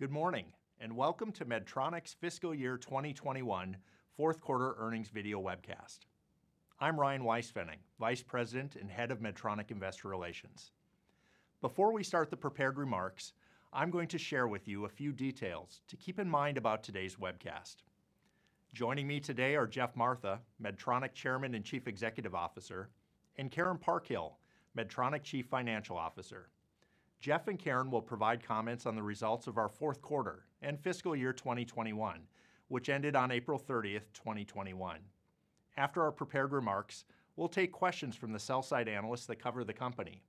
Good morning, and welcome to Medtronic's fiscal year 2021 fourth quarter earnings video webcast. I'm Ryan Weispfenning, Vice President and Head of Medtronic Investor Relations. Before we start the prepared remarks, I'm going to share with you a few details to keep in mind about today's webcast. Joining me today are Geoff Martha, Medtronic Chairman and Chief Executive Officer, and Karen Parkhill, Medtronic Chief Financial Officer. Geoff and Karen will provide comments on the results of our fourth quarter and fiscal year 2021, which ended on April 30th, 2021. After our prepared remarks, we'll take questions from the sell-side analysts that cover the company,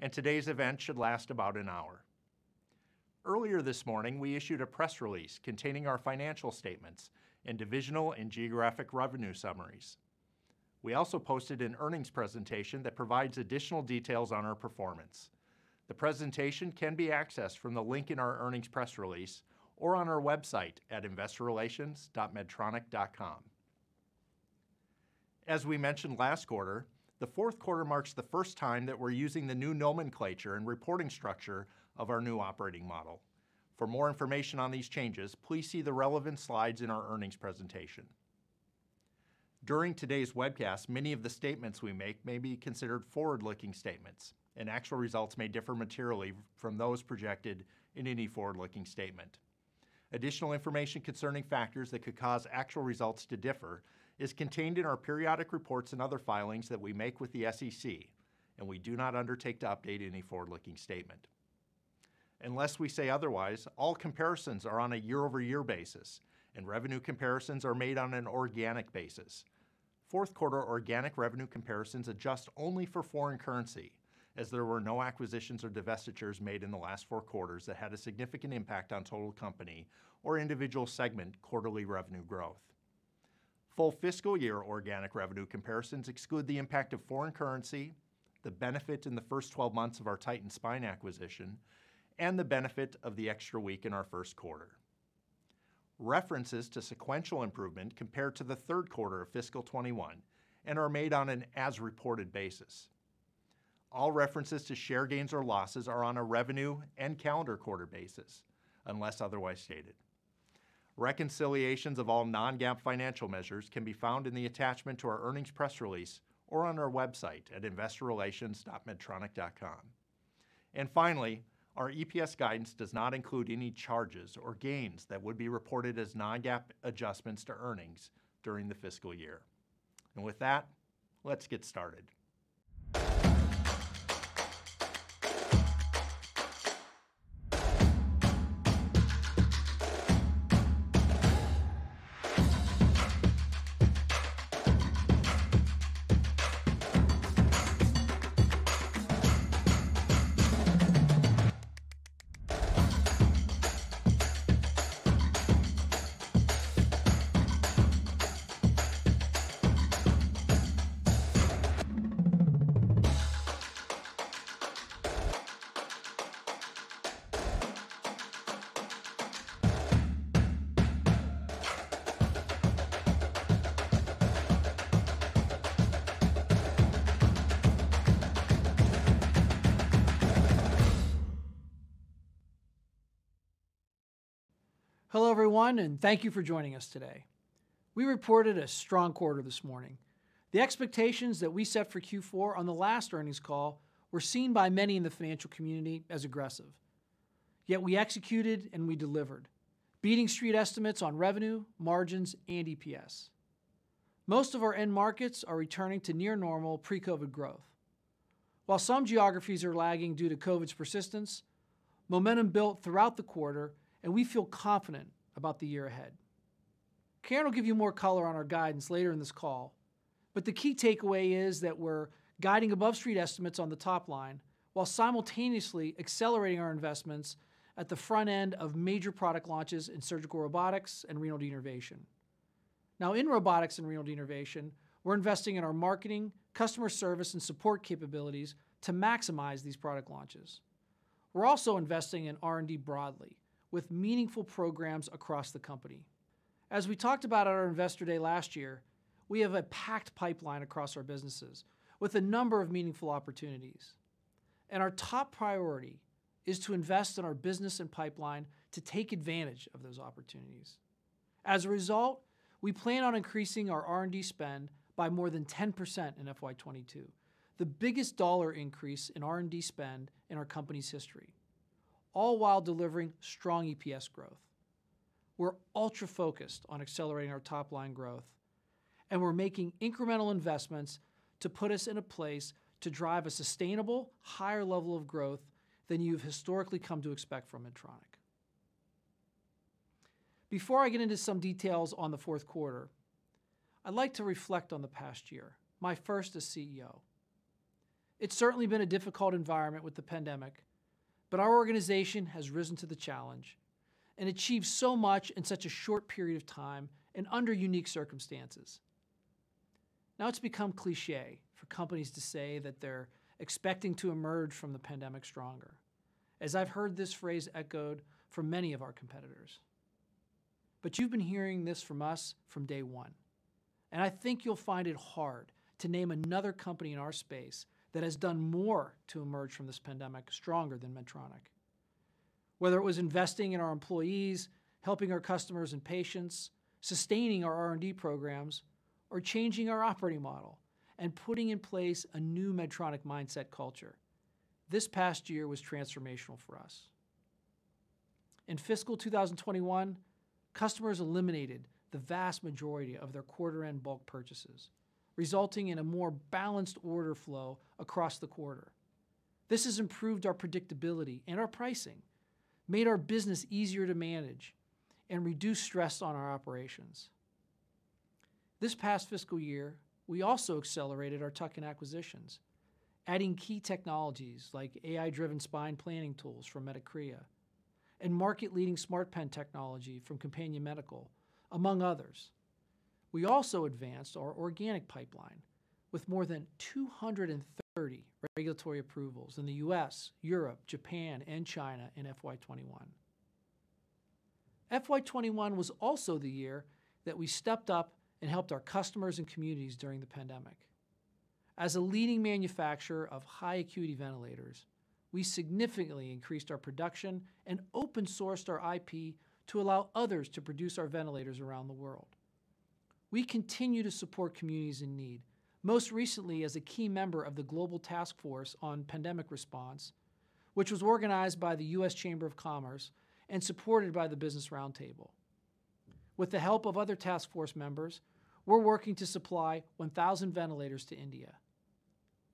and today's event should last about an hour. Earlier this morning, we issued a press release containing our financial statements and divisional and geographic revenue summaries. We also posted an earnings presentation that provides additional details on our performance. The presentation can be accessed from the link in our earnings press release or on our website at investorrelations.medtronic.com. As we mentioned last quarter, the fourth quarter marks the first time that we're using the new nomenclature and reporting structure of our new operating model. For more information on these changes, please see the relevant slides in our earnings presentation. During today's webcast, many of the statements we make may be considered forward-looking statements, and actual results may differ materially from those projected in any forward-looking statement. Additional information concerning factors that could cause actual results to differ is contained in our periodic reports and other filings that we make with the SEC, and we do not undertake to update any forward-looking statement. Unless we say otherwise, all comparisons are on a year-over-year basis, and revenue comparisons are made on an organic basis. Fourth quarter organic revenue comparisons adjust only for foreign currency, as there were no acquisitions or divestitures made in the last four quarters that had a significant impact on total company or individual segment quarterly revenue growth. Full fiscal year organic revenue comparisons exclude the impact of foreign currency, the benefit in the first 12 months of our Titan Spine acquisition, and the benefit of the extra week in our first quarter. References to sequential improvement compare to the third quarter of fiscal 2021 and are made on an as reported basis. All references to share gains or losses are on a revenue and calendar quarter basis, unless otherwise stated. Reconciliations of all non-GAAP financial measures can be found in the attachment to our earnings press release or on our website at investorrelations.medtronic.com. Finally, our EPS guidance does not include any charges or gains that would be reported as non-GAAP adjustments to earnings during the fiscal year. With that, let's get started. Hello, everyone, and thank you for joining us today. We reported a strong quarter this morning. The expectations that we set for Q4 on the last earnings call were seen by many in the financial community as aggressive. Yet we executed and we delivered, beating Street estimates on revenue, margins, and EPS. Most of our end markets are returning to near normal pre-COVID growth. While some geographies are lagging due to COVID's persistence, momentum built throughout the quarter, and we feel confident about the year ahead. Karen will give you more color on our guidance later in this call, but the key takeaway is that we're guiding above Street estimates on the top line while simultaneously accelerating our investments at the front end of major product launches in surgical robotics and remote innovation. Now, in robotics and remote innovation, we're investing in our marketing, customer service, and support capabilities to maximize these product launches. We're also investing in R&D broadly with meaningful programs across the company. As we talked about at our Investor Day last year, we have a packed pipeline across our businesses with a number of meaningful opportunities, and our top priority is to invest in our business and pipeline to take advantage of those opportunities. We plan on increasing our R&D spend by more than 10% in FY 2022, the biggest dollar increase in R&D spend in our company's history, all while delivering strong EPS growth. We're ultra-focused on accelerating our top-line growth. We're making incremental investments to put us in a place to drive a sustainable higher level of growth than you have historically come to expect from Medtronic. Before I get into some details on the fourth quarter, I'd like to reflect on the past year, my first as CEO. It's certainly been a difficult environment with the pandemic. Our organization has risen to the challenge and achieved so much in such a short period of time and under unique circumstances. Now, it's become cliché for companies to say that they're expecting to emerge from the pandemic stronger, as I've heard this phrase echoed from many of our competitors. You've been hearing this from us from day one, and I think you'll find it hard to name another company in our space that has done more to emerge from this pandemic stronger than Medtronic. Whether it was investing in our employees, helping our customers and patients, sustaining our R&D programs, or changing our operating model and putting in place a new Medtronic Mindset culture, this past year was transformational for us. In fiscal 2021, customers eliminated the vast majority of their quarter-end bulk purchases, resulting in a more balanced order flow across the quarter. This has improved our predictability and our pricing, made our business easier to manage, and reduced stress on our operations. This past fiscal year, we also accelerated our tuck-in acquisitions, adding key technologies like AI-driven spine planning tools from Medicrea and market-leading smart pen technology from Companion Medical, among others. We also advanced our organic pipeline with more than 230 regulatory approvals in the U.S., Europe, Japan, and China in FY 2021. FY 2021 was also the year that we stepped up and helped our customers and communities during the pandemic. As a leading manufacturer of high-acuity ventilators, we significantly increased our production and open-sourced our IP to allow others to produce our ventilators around the world. We continue to support communities in need, most recently as a key member of the Global Task Force on Pandemic Response, which was organized by the U.S. Chamber of Commerce and supported by the Business Roundtable. With the help of other task force members, we're working to supply 1,000 ventilators to India.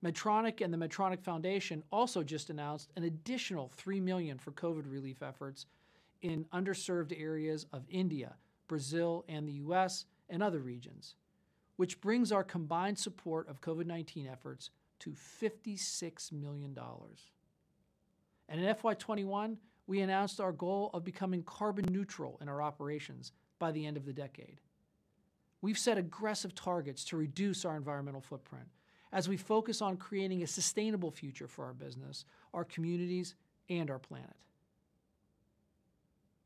Medtronic and the Medtronic Foundation also just announced an additional $3 million for COVID relief efforts in underserved areas of India, Brazil, and the U.S., and other regions, which brings our combined support of COVID-19 efforts to $56 million. In FY21, we announced our goal of becoming carbon neutral in our operations by the end of the decade. We've set aggressive targets to reduce our environmental footprint as we focus on creating a sustainable future for our business, our communities, and our planet.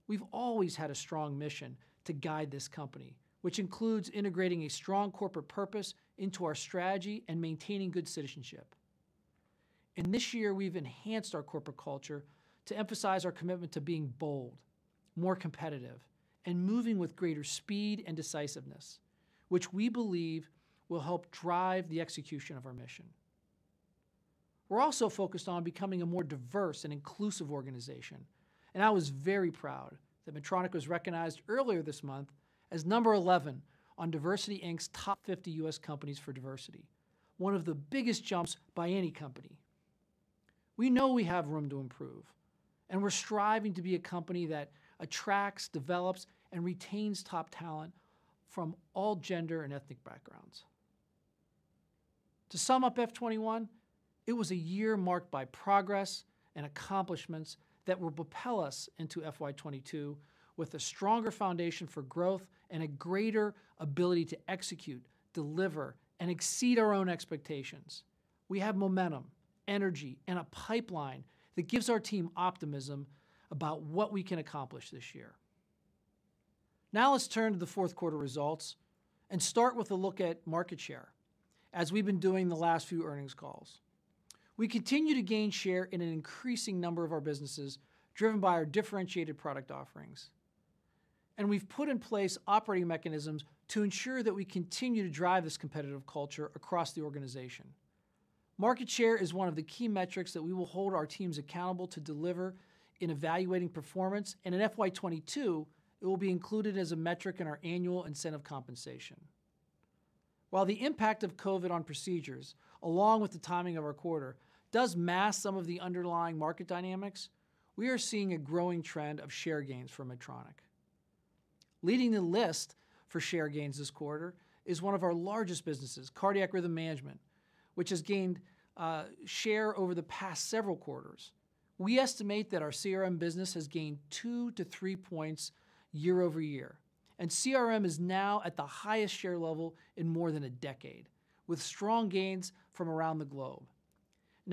We've always had a strong mission to guide this company, which includes integrating a strong corporate purpose into our strategy and maintaining good citizenship. This year, we've enhanced our corporate culture to emphasize our commitment to being bold, more competitive, and moving with greater speed and decisiveness, which we believe will help drive the execution of our mission. We're also focused on becoming a more diverse and inclusive organization, and I was very proud that Medtronic was recognized earlier this month as number 11 on DiversityInc's Top 50 U.S. Companies for Diversity, one of the biggest jumps by any company. We know we have room to improve, and we're striving to be a company that attracts, develops, and retains top talent from all gender and ethnic backgrounds. To sum up FY21, it was a year marked by progress and accomplishments that will propel us into FY22 with a stronger foundation for growth and a greater ability to execute, deliver, and exceed our own expectations. We have momentum, energy, and a pipeline that gives our team optimism about what we can accomplish this year. Now let's turn to the fourth quarter results and start with a look at market share, as we've been doing the last few earnings calls. We continue to gain share in an increasing number of our businesses, driven by our differentiated product offerings. We've put in place operating mechanisms to ensure that we continue to drive this competitive culture across the organization. Market share is one of the key metrics that we will hold our teams accountable to deliver in evaluating performance. In FY22, it will be included as a metric in our annual incentive compensation. While the impact of COVID on procedures, along with the timing of our quarter, does mask some of the underlying market dynamics, we are seeing a growing trend of share gains for Medtronic. Leading the list for share gains this quarter is one of our largest businesses, cardiac rhythm management, which has gained share over the past several quarters. We estimate that our CRM business has gained two to three points year-over-year, and CRM is now at the highest share level in more than a decade, with strong gains from around the globe.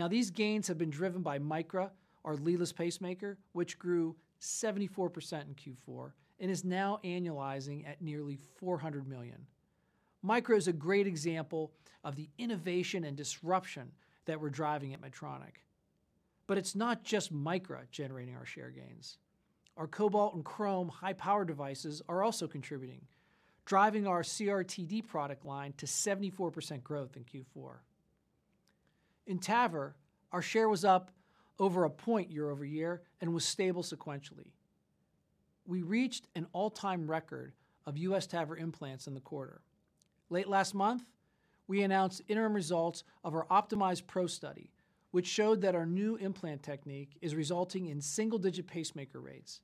These gains have been driven by Micra, our leadless pacemaker, which grew 74% in Q4 and is now annualizing at nearly $400 million. Micra is a great example of the innovation and disruption that we're driving at Medtronic. It's not just Micra generating our share gains. Our Cobalt and Crome high-power devices are also contributing, driving our CRT-D product line to 74% growth in Q4. In TAVR, our share was up over a point year-over-year and was stable sequentially. We reached an all-time record of U.S. TAVR implants in the quarter. Late last month, we announced interim results of our Optimize PRO study, which showed that our new implant technique is resulting in single-digit pacemaker rates.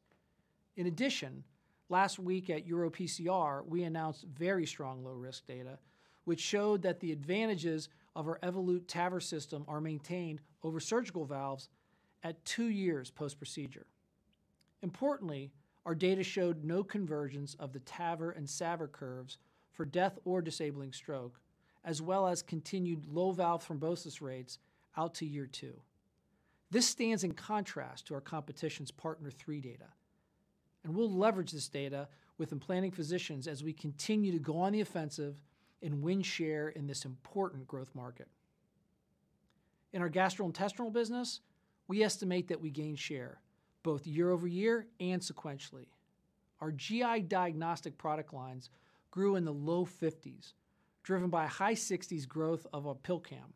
Last week at EuroPCR, we announced very strong low-risk data, which showed that the advantages of our Evolut TAVR system are maintained over surgical valves at two years post-procedure. Importantly, our data showed no convergence of the TAVR and SAVR curves for death or disabling stroke, as well as continued low valve thrombosis rates out to year two. This stands in contrast to our competition's PARTNER 3 data. We'll leverage this data with implanting physicians as we continue to go on the offensive and win share in this important growth market. In our gastrointestinal business, we estimate that we gained share both year-over-year and sequentially. Our GI diagnostic product lines grew in the low 50%, driven by high 60% growth of our PillCam.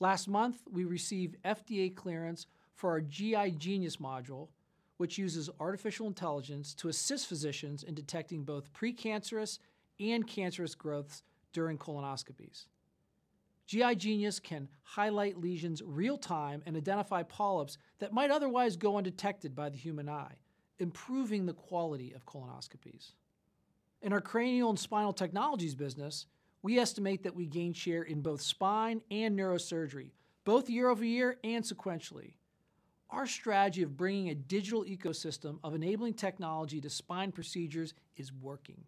Last month, we received FDA clearance for our GI Genius module, which uses artificial intelligence to assist physicians in detecting both precancerous and cancerous growths during colonoscopies. GI Genius can highlight lesions real-time and identify polyps that might otherwise go undetected by the human eye, improving the quality of colonoscopies. In our cranial and spinal technologies business, we estimate that we gained share in both spine and neurosurgery, both year-over-year and sequentially. Our strategy of bringing a digital ecosystem of enabling technology to spine procedures is working.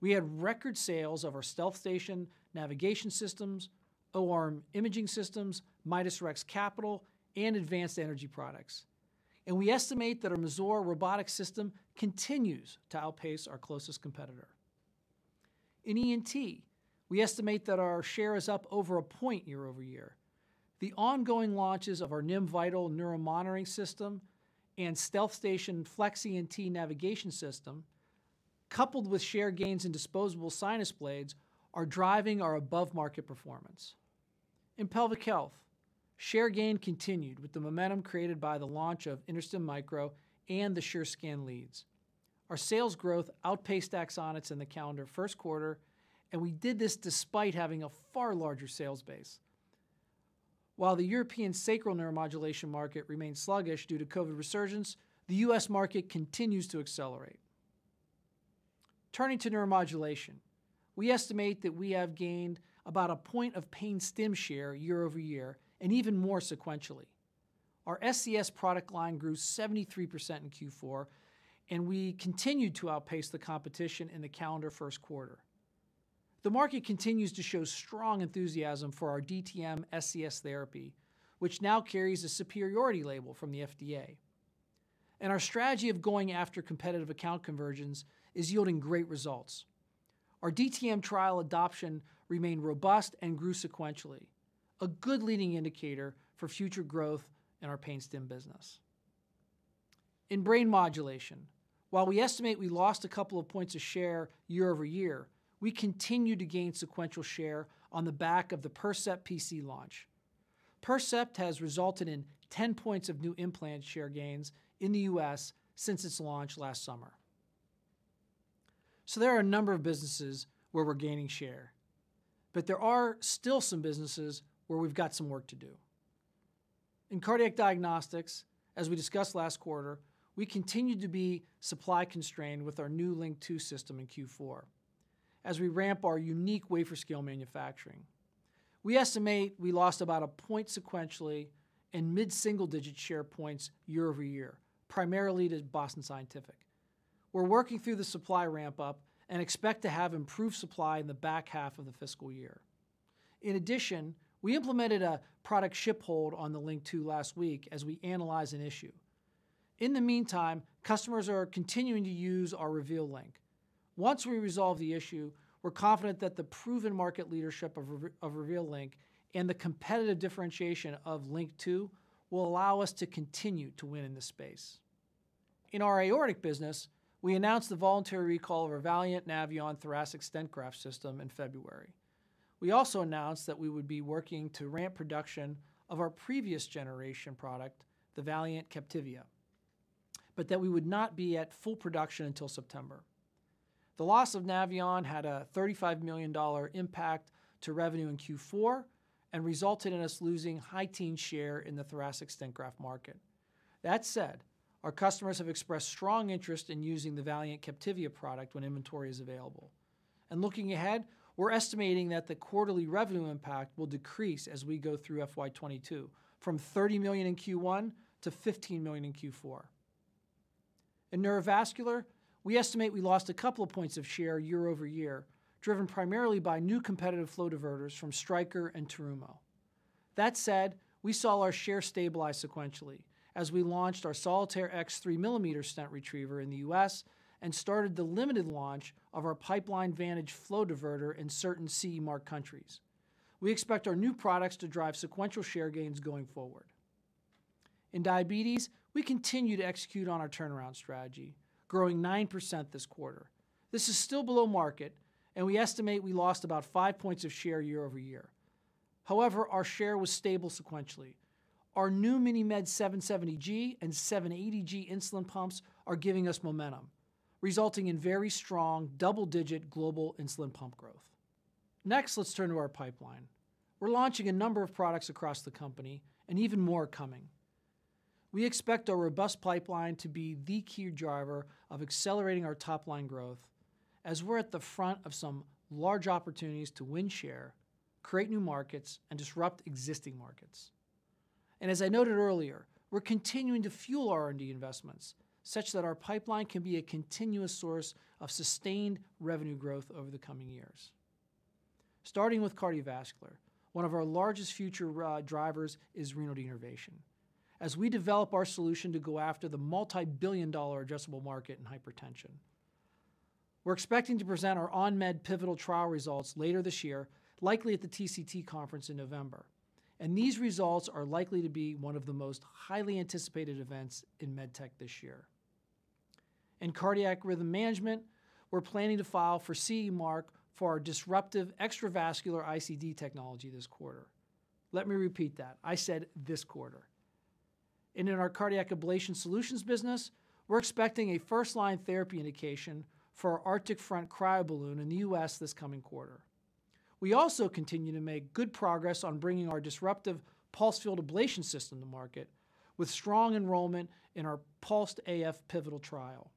We have record sales of our StealthStation navigation systems, O-arm imaging systems, Midas Rex capital, and advanced energy products. We estimate that our Mazor robotic system continues to outpace our closest competitor. In ENT, we estimate that our share is up over a point year-over-year. The ongoing launches of our NIM Vital Nerve Monitoring System and StealthStation FlexENT navigation system, coupled with share gains in disposable sinus blades, are driving our above-market performance. In Pelvic Health, share gain continued with the momentum created by the launch of InterStim Micro and the SureScan leads. Our sales growth outpaced tax audits in the calendar first quarter. We did this despite having a far larger sales base. While the European sacral neuromodulation market remains sluggish due to COVID resurgence, the U.S. market continues to accelerate. Turning to neuromodulation, we estimate that we have gained about a point of pain stim share year-over-year and even more sequentially. Our SCS product line grew 73% in Q4. We continued to outpace the competition in the calendar first quarter. The market continues to show strong enthusiasm for our DTM SCS therapy, which now carries a superiority label from the FDA. Our strategy of going after competitive account conversions is yielding great results. Our DTM trial adoption remained robust and grew sequentially, a good leading indicator for future growth in our pain stim business. In brain modulation, while we estimate we lost a couple of points of share year-over-year, we continue to gain sequential share on the back of the Percept PC launch. Percept has resulted in 10 points of new implant share gains in the U.S. since its launch last summer. There are a number of businesses where we're gaining share, but there are still some businesses where we've got some work to do. In cardiac diagnostics, as we discussed last quarter, we continued to be supply constrained with our new LINQ II system in Q4 as we ramp our unique wafer scale manufacturing. We estimate we lost about a point sequentially and mid-single digit share points year-over-year, primarily to Boston Scientific. We're working through the supply ramp-up and expect to have improved supply in the back half of the fiscal year. In addition, we implemented a product ship hold on the LINQ II last week as we analyze an issue. In the meantime, customers are continuing to use our Reveal LINQ. Once we resolve the issue, we're confident that the proven market leadership of Reveal LINQ and the competitive differentiation of LINQ II will allow us to continue to win in this space. In our aortic business, we announced the voluntary recall of our Valiant Navion Thoracic Stent Graft System in February. We also announced that we would be working to ramp production of our previous generation product, the Valiant Captivia, but that we would not be at full production until September. The loss of Navion had a $35 million impact to revenue in Q4 and resulted in us losing high teen share in the thoracic stent graft market. That said, our customers have expressed strong interest in using the Valiant Captivia product when inventory is available. Looking ahead, we're estimating that the quarterly revenue impact will decrease as we go through FY 2022 from $30 million in Q1 to $15 million in Q4. In neurovascular, we estimate we lost a couple of points of share year-over-year, driven primarily by new competitive flow diverters from Stryker and Terumo. That said, we saw our share stabilize sequentially as we launched our Solitaire X 3 mm stent retriever in the U.S. and started the limited launch of our Pipeline Vantage flow diverter in certain CE mark countries. We expect our new products to drive sequential share gains going forward. In diabetes, we continue to execute on our turnaround strategy, growing 9% this quarter. This is still below market, and we estimate we lost about five points of share year-over-year. However, our share was stable sequentially. Our new MiniMed 770G and 780G insulin pumps are giving us momentum, resulting in very strong double-digit global insulin pump growth. Next, let's turn to our pipeline. We're launching a number of products across the company and even more are coming. We expect our robust pipeline to be the key driver of accelerating our top-line growth as we're at the front of some large opportunities to win share, create new markets, and disrupt existing markets. As I noted earlier, we're continuing to fuel R&D investments such that our pipeline can be a continuous source of sustained revenue growth over the coming years. Starting with cardiovascular, one of our largest future drivers is renal denervation. As we develop our solution to go after the multi-billion-dollar addressable market in hypertension. We're expecting to present our ON MED pivotal trial results later this year, likely at the TCT conference in November, these results are likely to be one of the most highly anticipated events in med tech this year. In Cardiac Rhythm Management, we're planning to file for CE mark for our disruptive extravascular ICD technology this quarter. Let me repeat that. I said this quarter. In our Cardiac Ablation Solutions business, we're expecting a first-line therapy indication for our Arctic Front Cryoballoon in the U.S. this coming quarter. We also continue to make good progress on bringing our disruptive pulsed field ablation system to market with strong enrollment in our PULSED AF pivotal trial.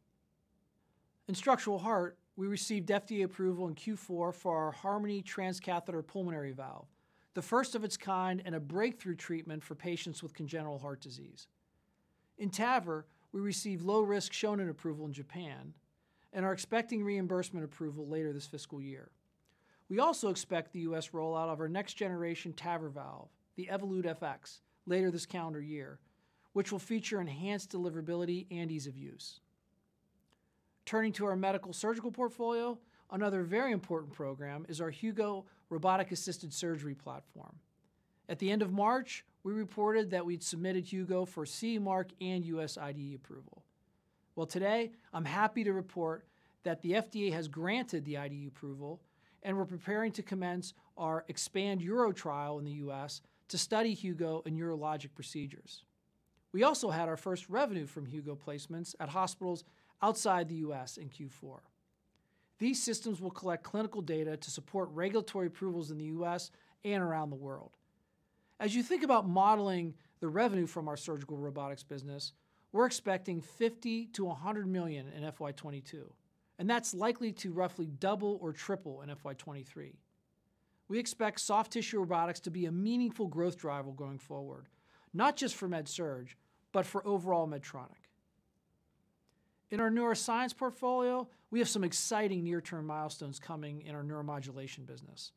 In Structural Heart, we received FDA approval in Q4 for our Harmony Transcatheter Pulmonary Valve, the first of its kind and a breakthrough treatment for patients with congenital heart disease. In TAVR, we received low-risk Shonin approval in Japan and are expecting reimbursement approval later this fiscal year. We also expect the U.S. rollout of our next-generation TAVR valve, the Evolut FX, later this calendar year, which will feature enhanced deliverability and ease of use. Turning to our medical surgical portfolio, another very important program is our Hugo robotic-assisted surgery platform. At the end of March, we reported that we'd submitted Hugo for CE mark and U.S. IDE approval. Well, today I'm happy to report that the FDA has granted the IDE approval, and we're preparing to commence our EXPAND-URO trial in the U.S. to study Hugo in urologic procedures. We also had our first revenue from Hugo placements at hospitals outside the U.S. in Q4. These systems will collect clinical data to support regulatory approvals in the U.S. and around the world. As you think about modeling the revenue from our surgical robotics business, we're expecting $50 million-$100 million in FY 2022, and that's likely to roughly double or triple in FY 2023. We expect soft tissue robotics to be a meaningful growth driver going forward, not just for MedSurg, but for overall Medtronic. In our Neuroscience Portfolio, we have some exciting near-term milestones coming in our neuromodulation business.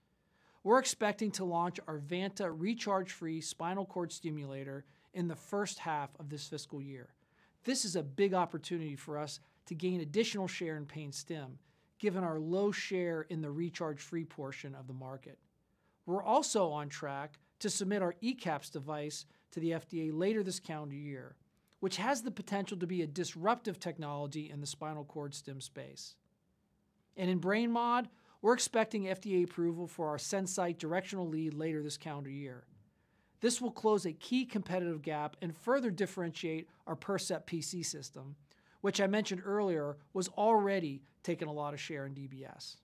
We're expecting to launch our Vanta recharge-free spinal cord stimulator in the first half of this fiscal year. This is a big opportunity for us to gain additional share in pain stim, given our low share in the recharge-free portion of the market. We're also on track to submit our ECAPS device to the FDA later this calendar year, which has the potential to be a disruptive technology in the spinal cord stim space. In BrainMod, we're expecting FDA approval for our SenSight directional lead later this calendar year. This will close a key competitive gap and further differentiate our Percept PC system, which I mentioned earlier was already taking a lot of share in DBS.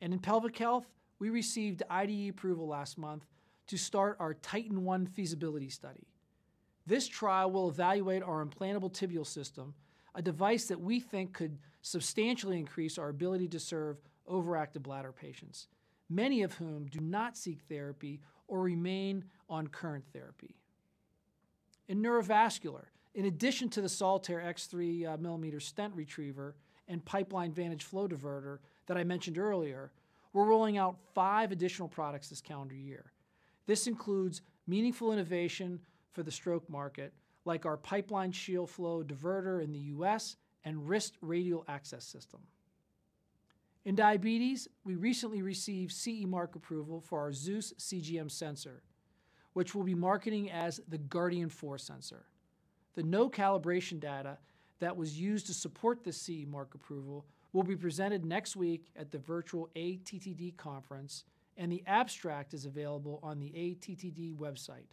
In Pelvic Health, we received IDE approval last month to start our TITAN 1 feasibility study. This trial will evaluate our implantable tibial system, a device that we think could substantially increase our ability to serve overactive bladder patients, many of whom do not seek therapy or remain on current therapy. In Neurovascular, in addition to the Solitaire X 3 mm stent retriever and Pipeline Vantage flow diverter that I mentioned earlier, we're rolling out five additional products this calendar year. This includes meaningful innovation for the stroke market, like our Pipeline Shield flow diverter in the U.S. and Rist Radial Access System. In diabetes, we recently received CE mark approval for our Zeus CGM sensor, which we'll be marketing as the Guardian 4 sensor. The no-calibration data that was used to support the CE mark approval will be presented next week at the virtual ATTD conference, and the abstract is available on the ATTD website.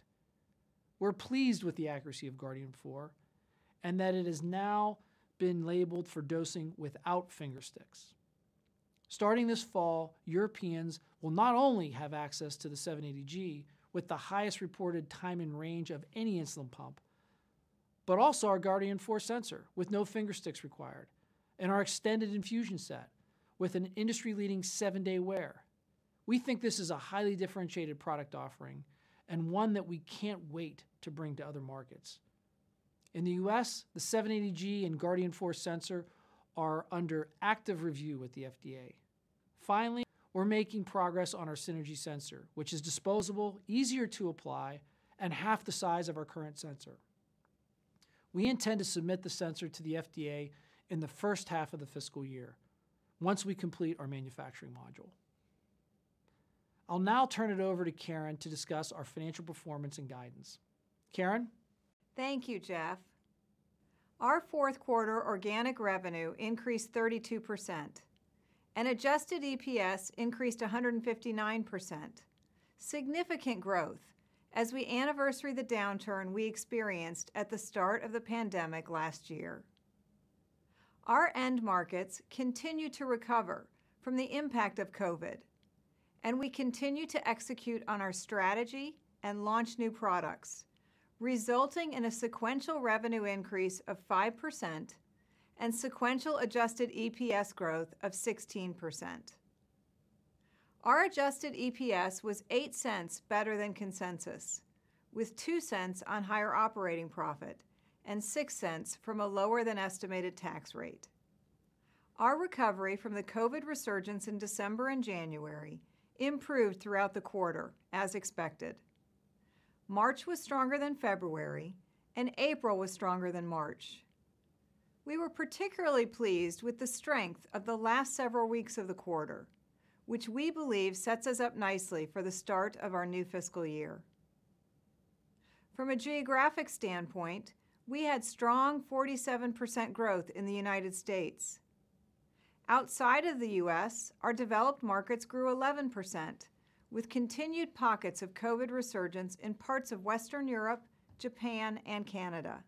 We're pleased with the accuracy of Guardian 4 and that it has now been labeled for dosing without finger sticks. Starting this fall, Europeans will not only have access to the 780G with the highest reported Time-in-Range of any insulin pump, but also our Guardian 4 sensor with no finger sticks required and our extended infusion set with an industry-leading seven-day wear. We think this is a highly differentiated product offering and one that we can't wait to bring to other markets. In the U.S., the 780G and Guardian 4 sensor are under active review with the FDA. Finally, we're making progress on our Synergy sensor, which is disposable, easier to apply, and half the size of our current sensor. We intend to submit the sensor to the FDA in the first half of the fiscal year once we complete our manufacturing module. I'll now turn it over to Karen to discuss our financial performance and guidance. Karen? Thank you, Geoff. Our fourth quarter organic revenue increased 32%, and adjusted EPS increased 159%, significant growth as we anniversary the downturn we experienced at the start of the pandemic last year. Our end markets continue to recover from the impact of COVID, and we continue to execute on our strategy and launch new products, resulting in a sequential revenue increase of 5% and sequential adjusted EPS growth of 16%. Our adjusted EPS was $0.08 better than consensus. With $0.02 on higher operating profit and $0.06 from a lower than estimated tax rate. Our recovery from the COVID resurgence in December and January improved throughout the quarter, as expected. March was stronger than February, and April was stronger than March. We were particularly pleased with the strength of the last several weeks of the quarter, which we believe sets us up nicely for the start of our new fiscal year. From a geographic standpoint, we had strong 47% growth in the United States. Outside of the U.S., our developed markets grew 11%, with continued pockets of COVID resurgence in parts of Western Europe, Japan, and Canada.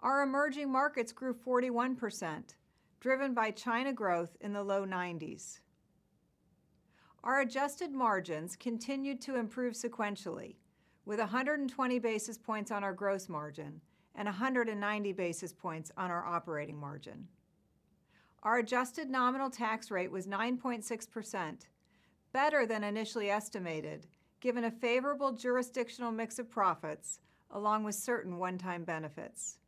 Our emerging markets grew 41%, driven by China growth in the low 90s. Our adjusted margins continued to improve sequentially, with 120 basis points on our gross margin and 190 basis points on our operating margin. Our adjusted nominal tax rate was 9.6%, better than initially estimated, given a favorable jurisdictional mix of profits along with certain one-time benefits.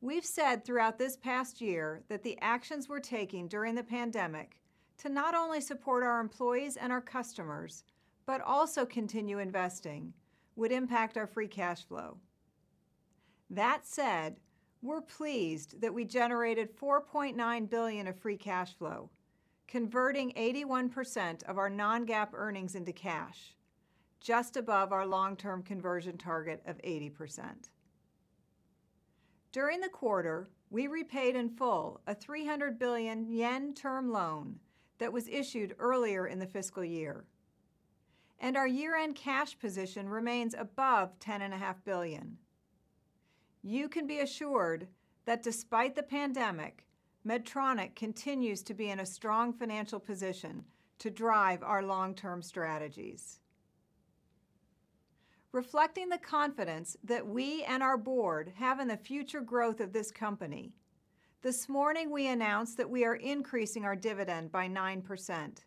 We've said throughout this past year that the actions we're taking during the pandemic to not only support our employees and our customers, but also continue investing, would impact our free cash flow. We're pleased that we generated $4.9 billion of free cash flow, converting 81% of our non-GAAP earnings into cash, just above our long-term conversion target of 80%. During the quarter, we repaid in full a 300 billion yen term loan that was issued earlier in the fiscal year, and our year-end cash position remains above $10.5 billion. You can be assured that despite the pandemic, Medtronic continues to be in a strong financial position to drive our long-term strategies. Reflecting the confidence that we and our board have in the future growth of this company, this morning we announced that we are increasing our dividend by 9%.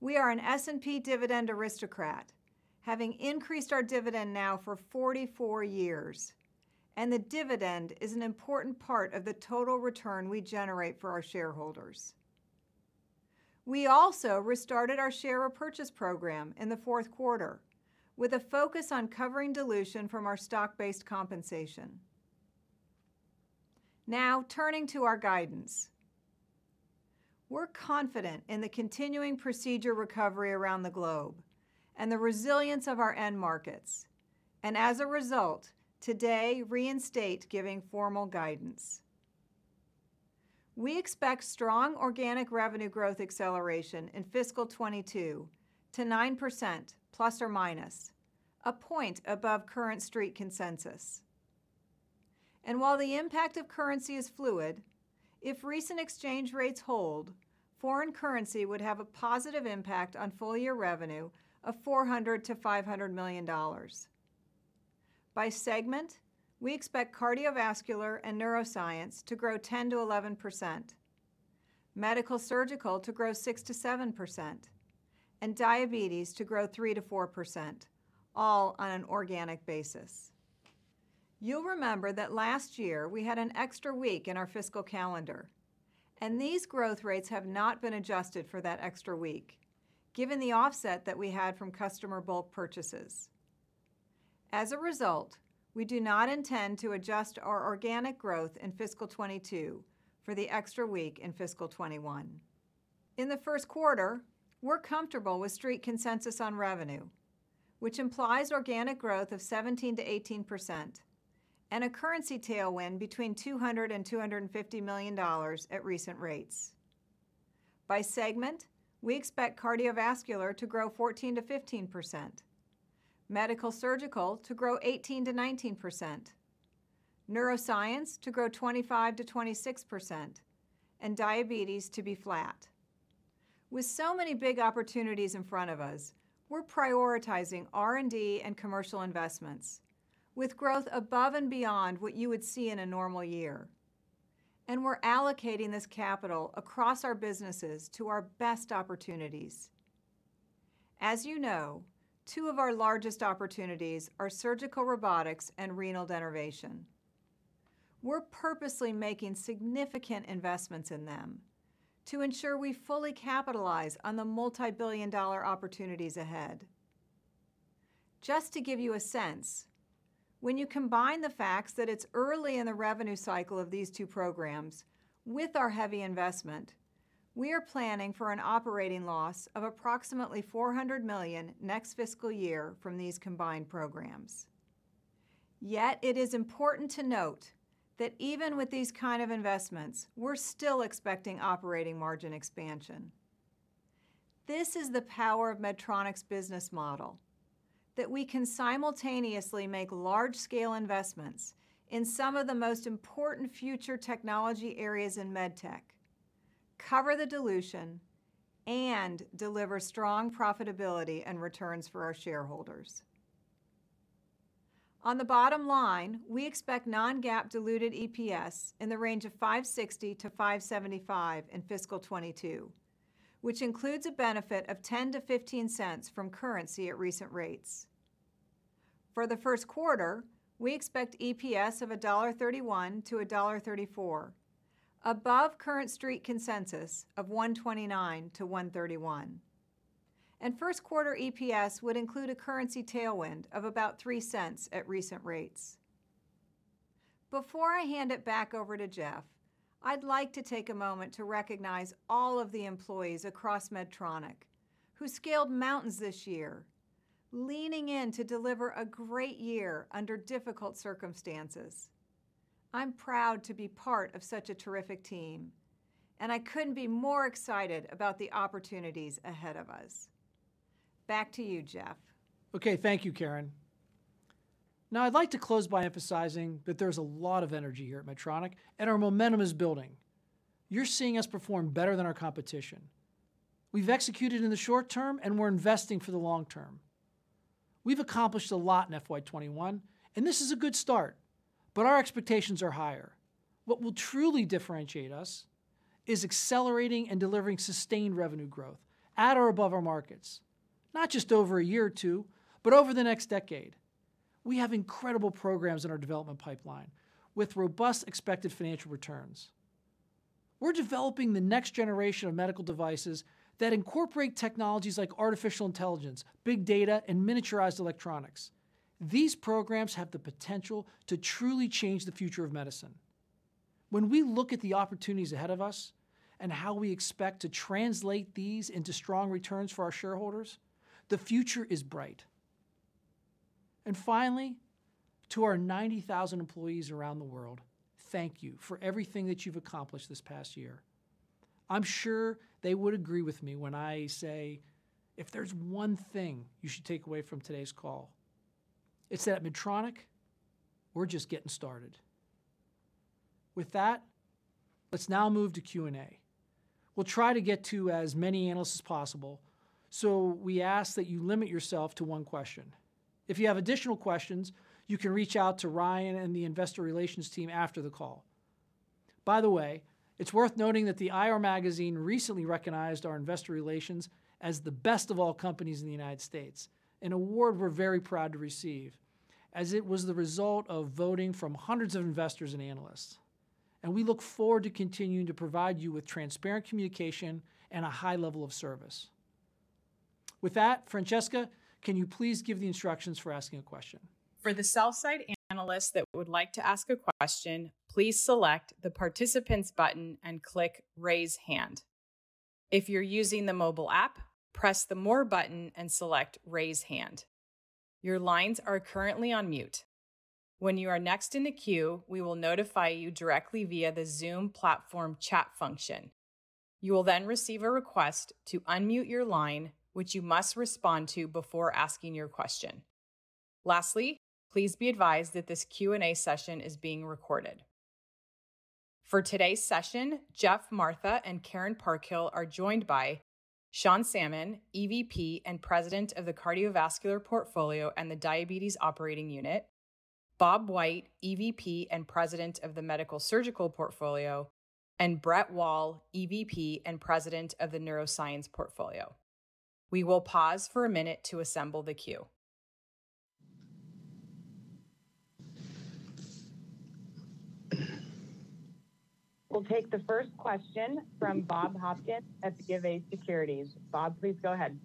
We are an S&P dividend aristocrat, having increased our dividend now for 44 years. The dividend is an important part of the total return we generate for our shareholders. We also restarted our share repurchase program in the fourth quarter with a focus on covering dilution from our stock-based compensation. Turning to our guidance. We're confident in the continuing procedure recovery around the globe and the resilience of our end markets. As a result, today reinstate giving formal guidance. We expect strong organic revenue growth acceleration in FY 2022 to 9% ±, a point above current Street consensus. While the impact of currency is fluid, if recent exchange rates hold, foreign currency would have a positive impact on full-year revenue of $400 million-$500 million. By segment, we expect Cardiovascular and Neuroscience to grow 10%-11%, MedSurg to grow 6%-7%, and Diabetes to grow 3%-4%, all on an organic basis. You'll remember that last year we had an extra week in our fiscal calendar, and these growth rates have not been adjusted for that extra week, given the offset that we had from customer bulk purchases. As a result, we do not intend to adjust our organic growth in fiscal 2022 for the extra week in fiscal 2021. In the first quarter, we're comfortable with Street consensus on revenue, which implies organic growth of 17%-18% and a currency tailwind between $200 million and $250 million at recent rates. By segment, we expect Cardiovascular to grow 14%-15%, MedSurg to grow 18%-19%, Neuroscience to grow 25%-26%, and Diabetes to be flat. With so many big opportunities in front of us, we're prioritizing R&D and commercial investments with growth above and beyond what you would see in a normal year. We're allocating this capital across our businesses to our best opportunities. As you know, two of our largest opportunities are surgical robotics and renal denervation. We're purposely making significant investments in them to ensure we fully capitalize on the multi-billion-dollar opportunities ahead. Just to give you a sense, when you combine the facts that it's early in the revenue cycle of these two programs with our heavy investment, we are planning for an operating loss of approximately $400 million next fiscal year from these combined programs. It is important to note that even with these kind of investments, we're still expecting operating margin expansion. This is the power of Medtronic's business model, that we can simultaneously make large-scale investments in some of the most important future technology areas in med tech, cover the dilution, and deliver strong profitability and returns for our shareholders. On the bottom line, we expect non-GAAP diluted EPS in the range of $5.60-$5.75 in fiscal 2022, which includes a benefit of $0.10-$0.15 from currency at recent rates. For the first quarter, we expect EPS of $1.31-$1.34, above current street consensus of $1.29-$1.31. First quarter EPS would include a currency tailwind of about $0.03 at recent rates. Before I hand it back over to Geoff, I'd like to take a moment to recognize all of the employees across Medtronic who scaled mountains this year, leaning in to deliver a great year under difficult circumstances. I'm proud to be part of such a terrific team, I couldn't be more excited about the opportunities ahead of us. Back to you, Geoff. Okay. Thank you, Karen. Now, I'd like to close by emphasizing that there's a lot of energy here at Medtronic, and our momentum is building. You're seeing us perform better than our competition. We've executed in the short term, and we're investing for the long term. We've accomplished a lot in FY 2021, and this is a good start, but our expectations are higher. What will truly differentiate us is accelerating and delivering sustained revenue growth at or above our markets, not just over a year or two, but over the next decade. We have incredible programs in our development pipeline with robust expected financial returns. We're developing the next generation of medical devices that incorporate technologies like artificial intelligence, big data, and miniaturized electronics. These programs have the potential to truly change the future of medicine. When we look at the opportunities ahead of us and how we expect to translate these into strong returns for our shareholders, the future is bright. Finally, to our 90,000 employees around the world, thank you for everything that you've accomplished this past year. I'm sure they would agree with me when I say, if there's one thing you should take away from today's call, it's that at Medtronic, we're just getting started. With that, let's now move to Q&A. We'll try to get to as many analysts as possible, so we ask that you limit yourself to one question. If you have additional questions, you can reach out to Ryan and the investor relations team after the call. By the way, it's worth noting that IR Magazine recently recognized our investor relations as the best of all companies in the U.S. An award we're very proud to receive, as it was the result of voting from hundreds of investors and analysts. We look forward to continuing to provide you with transparent communication and a high level of service. With that, Francesca, can you please give the instructions for asking a question? For the sell-side analyst that would like to ask a question, please select the Participants button and click Raise Hand. If you're using the mobile app, press the More button and select Raise Hand. Your lines are currently on mute. When you are next in the queue, we will notify you directly via the Zoom platform chat function. You will then receive a request to unmute your line, which you must respond to before asking your question. Lastly, please be advised that this Q&A session is being recorded. For today's session, Geoff Martha and Karen Parkhill are joined by Sean Salmon, EVP and President of the Cardiovascular Portfolio and the Diabetes Operating Unit, Bob White, EVP and President of the Medical Surgical Portfolio, and Brett Wall, EVP and President of the Neuroscience Portfolio. We will pause for a minute to assemble the queue. We'll take the first question from Bob Hopkins at Bank of America Securities. Bob, please go ahead.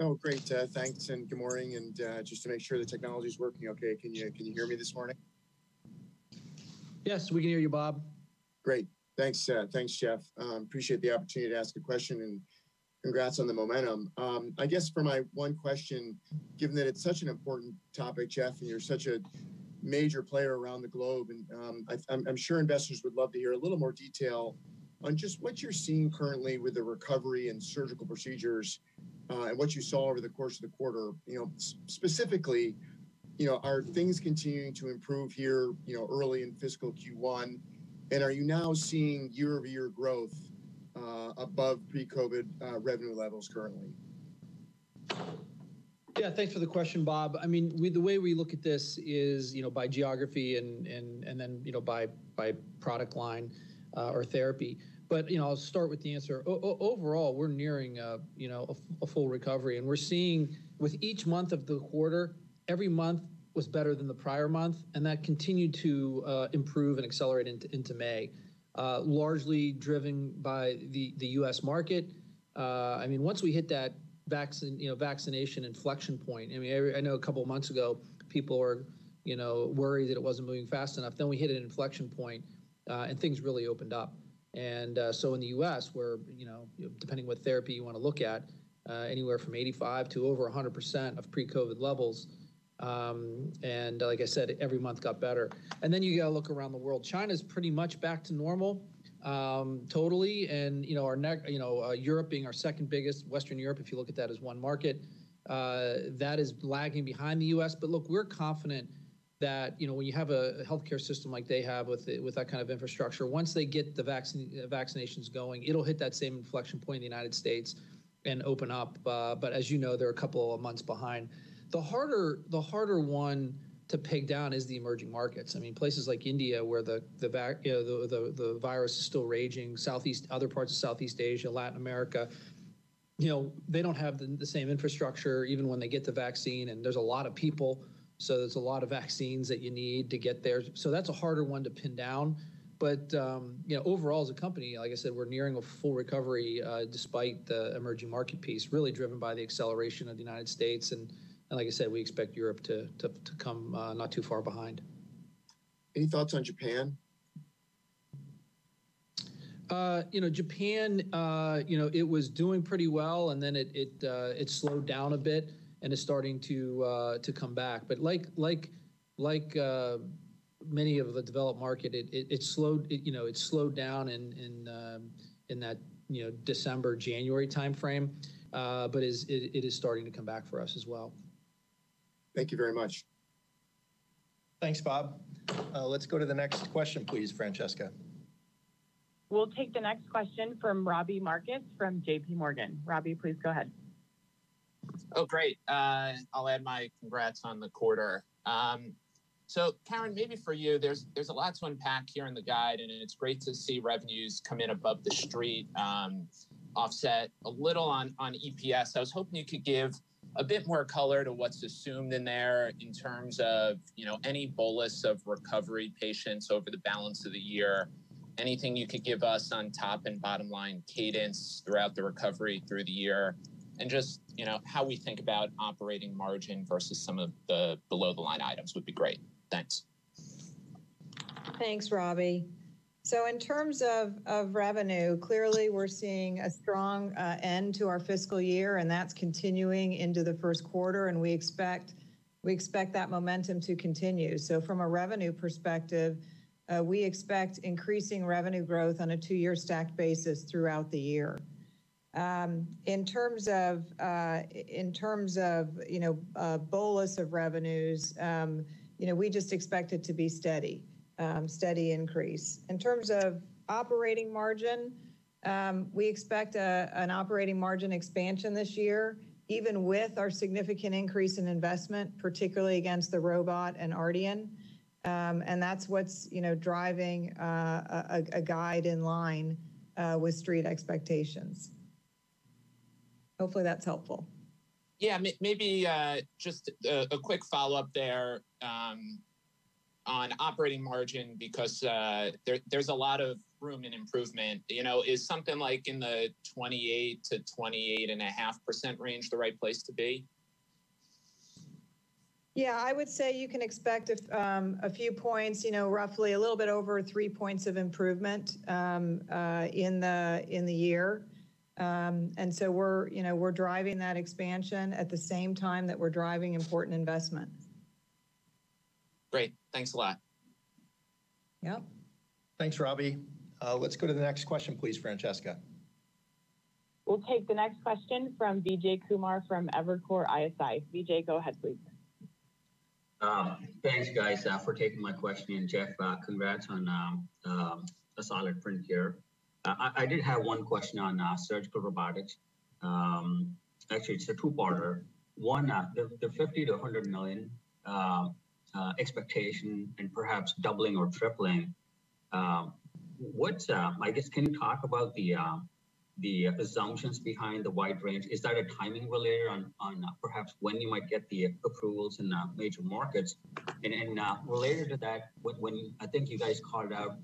Oh, great. Thanks. Good morning. Just to make sure the technology's working okay, can you hear me this morning? Yes, we can hear you, Bob. Great. Thanks, Geoff. Appreciate the opportunity to ask a question, and congrats on the momentum. I guess for my one question, given that it's such an important topic, Geoff, and you're such a major player around the globe, and I'm sure investors would love to hear a little more detail on just what you're seeing currently with the recovery and surgical procedures, and what you saw over the course of the quarter. Specifically, are things continuing to improve here early in fiscal Q1, and are you now seeing year-over-year growth above pre-COVID revenue levels currently? Yeah, thanks for the question, Bob. The way we look at this is by geography and then by product line or therapy. I'll start with the answer. Overall, we're nearing a full recovery, and we're seeing with each month of the quarter, every month was better than the prior month, and that continued to improve and accelerate into May, largely driven by the U.S. market. Once we hit that vaccination inflection point, I know a couple of months ago, people were worried that it wasn't moving fast enough. We hit an inflection point, and things really opened up. In the U.S., depending on what therapy you want to look at, anywhere from 85% to over 100% of pre-COVID levels. Like I said, every month got better. You got to look around the world. China's pretty much back to normal, totally. Europe being our second biggest, Western Europe, if you look at that as one market, that is lagging behind the U.S. Look, we're confident. When you have a healthcare system like they have with that kind of infrastructure, once they get the vaccinations going, it'll hit that same inflection point in the U.S. and open up. As you know, they're a couple of months behind. The harder one to pin down is the emerging markets. Places like India, where the virus is still raging, other parts of Southeast Asia, Latin America. They don't have the same infrastructure, even when they get the vaccine, and there's a lot of people, so there's a lot of vaccines that you need to get there. That's a harder one to pin down. Overall, as a company, like I said, we're nearing a full recovery despite the emerging market piece really driven by the acceleration of the U.S., and like I said, we expect Europe to come not too far behind. Any thoughts on Japan? Japan, it was doing pretty well. Then it slowed down a bit, and it's starting to come back. Like many of the developed markets, it slowed down in that December, January timeframe, but it is starting to come back for us as well. Thank you very much. Thanks, Bob. Let's go to the next question, please, Francesca. We'll take the next question from Robbie Marcus from J.P. Morgan. Robbie, please go ahead. Great. I'll add my congrats on the quarter. Karen, maybe for you, there's a lot to unpack here in the guide, and it's great to see revenues come in above the street, offset a little on EPS. I was hoping you could give a bit more color to what's assumed in there in terms of any bolus of recovery patients over the balance of the year. Anything you could give us on top and bottom line cadence throughout the recovery through the year and just how we think about operating margin versus some of the below-the-line items would be great. Thanks. Thanks, Robbie. In terms of revenue, clearly we're seeing a strong end to our fiscal year, and that's continuing into the first quarter, and we expect that momentum to continue. From a revenue perspective, we expect increasing revenue growth on a two year stack basis throughout the year. In terms of a bolus of revenues, we just expect it to be steady increase. In terms of operating margin, we expect an operating margin expansion this year, even with our significant increase in investment, particularly against the robot and RDN. That's what's driving a guide in line with street expectations. Hopefully that's helpful. Yeah. Maybe just a quick follow-up there on operating margin, because there's a lot of room and improvement. Is something like in the 28%-28.5% range the right place to be? Yeah, I would say you can expect a few points, roughly a little bit over three points of improvement in the year. We're driving that expansion at the same time that we're driving important investments. Great. Thanks a lot. Yep. Thanks, Robbie. Let's go to the next question, please, Francesca. We'll take the next question from Vijay Kumar from Evercore ISI. Vijay, go ahead, please. Thanks, guys, for taking my question. Geoff, congrats on a solid print here. I did have one question on surgical robotics. Actually, it's a two-parter. One, the $50 million-$100 million expectation and perhaps doubling or tripling. I guess, can you talk about the assumptions behind the wide range? Is that a timing delay on perhaps when you might get the approvals in major markets? Related to that, when I think you guys called out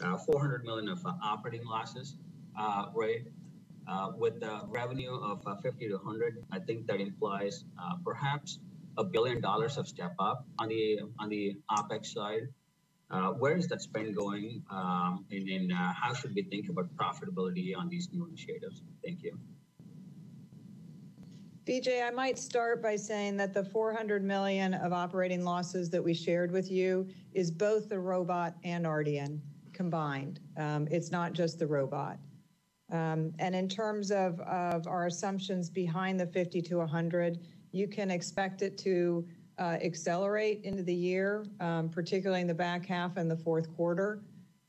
$400 million of operating losses, right? With a revenue of $50 million-$100 million, I think that implies perhaps $1 billion of step-up on the OpEx side. Where is that spend going? How should we think about profitability on these new initiatives? Thank you. Vijay, I might start by saying that the $400 million of operating losses that we shared with you is both the robot and RDN combined. It's not just the robot. In terms of our assumptions behind the $50 million-$100 million, you can expect it to accelerate into the year, particularly in the back half and the fourth quarter.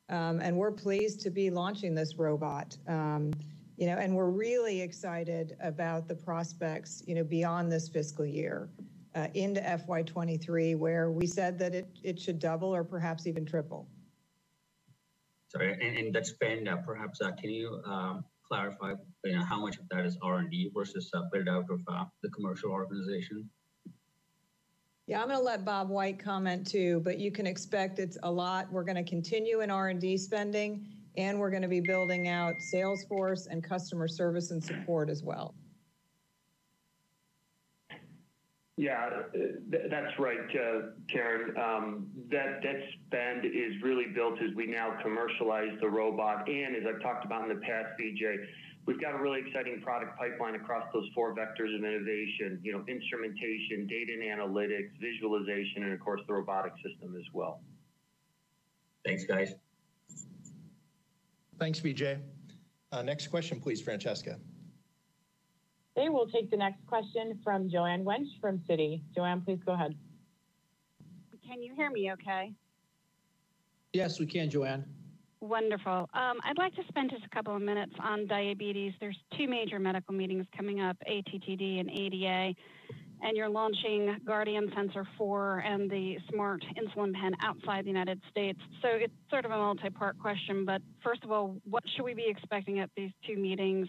We're pleased to be launching this robot. We're really excited about the prospects beyond this fiscal year into FY23, where we said that it should double or perhaps even triple. Sorry. The spend, perhaps can you clarify how much of that is R&D versus separate out of the commercial organization? Yeah. I'm going to let Bob White comment, too, but you can expect it's a lot. We're going to continue in R&D spending, and we're going to be building out sales force and customer service and support as well. Yeah. That's right, Karen. That spend is really built as we now commercialize the Hugo. As I talked about in the past, Vijay, we've got a really exciting product pipeline across those four vectors of innovation, instrumentation, data and analytics, visualization, and of course, the robotic system as well. Thanks, guys. Thanks, Vijay. Next question, please, Francesca. We will take the next question from Joanne Wuensch from Citi. Joanne, please go ahead. Can you hear me okay? Yes, we can, Joanne. Wonderful. I'd like to spend just a couple of minutes on diabetes. There's two major medical meetings coming up, ATTD and ADA, and you're launching Guardian 4 sensor and the smart insulin pen outside the U.S. It's sort of a multi-part question. First of all, what should we be expecting at these two meetings,